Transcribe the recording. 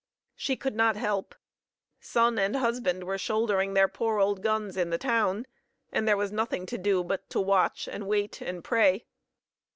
She could not help. Son and husband were shouldering their poor old guns in the town, and there was nothing to do but to watch and wait and pray.